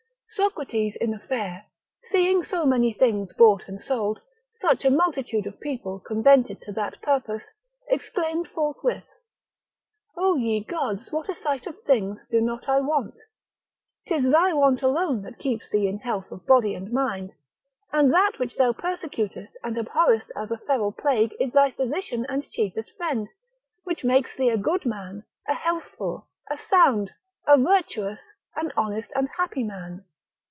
Socrates in a fair, seeing so many things bought and sold, such a multitude of people convented to that purpose, exclaimed forthwith, O ye gods what a sight of things do not I want? 'Tis thy want alone that keeps thee in health of body and mind, and that which thou persecutest and abhorrest as a feral plague is thy physician and chiefest friend, which makes thee a good man, a healthful, a sound, a virtuous, an honest and happy man.